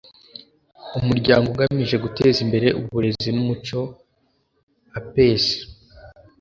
umuryango ugamije guteza imbere uburezi n umuco a p e c